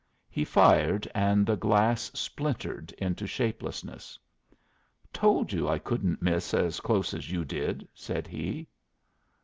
He fired, and the glass splintered into shapelessness. "Told you I couldn't miss as close as you did," said he.